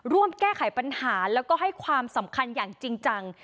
ร่วมแก้ไขปัญหาแล้วก็ให้ความสำคัญอย่างจริงจัง